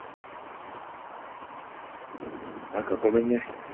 何かごめんね。